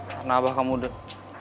karena abah kamu udah